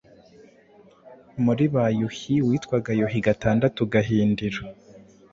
muri ba Yuhi witwaga Yuhi gatandatu Gahindiro